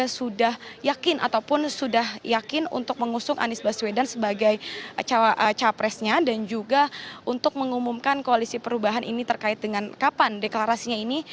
sudah yakin ataupun sudah yakin untuk mengusung anies baswedan sebagai capresnya dan juga untuk mengumumkan koalisi perubahan ini terkait dengan kapan deklarasinya ini